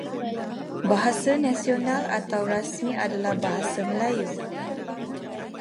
Bahasa nasional atau rasmi adalah Bahasa Melayu.